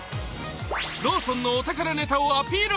ローソンのお宝ネタをアピール